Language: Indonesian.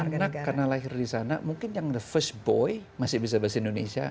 karena lahir di sana mungkin yang the first boy masih bisa bahasa indonesia